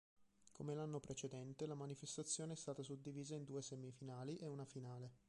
Come l'anno precedente, la manifestazione è stata suddivisa in due semifinali e una finale.